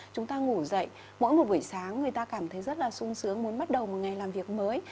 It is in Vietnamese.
chúng ta ngủ dậy mỗi một buổi sáng người ta cảm thấy rất là sung sướng muốn bắt đầu một ngày làm việc mới